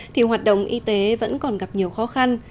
thì hoạt động y tế vẫn còn gặp nhiều khó khăn